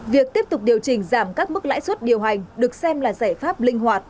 việc tiếp tục điều chỉnh giảm các mức lãi suất điều hành được xem là giải pháp linh hoạt